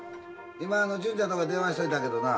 今純ちゃんとこに電話しといたけどな